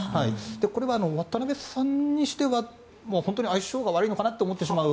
これは渡辺さんにしては本当に相性が悪いのかなと思ってしまう。